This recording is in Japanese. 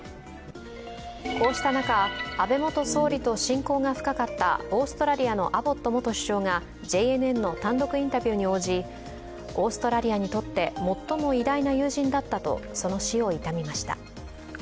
こうした中、安倍元総理と親交が深かったオーストラリアのアボット元首相がＪＮＮの単独インタビューに応じオーストラリアにとって最も偉大な友人だったとその死を悼みました。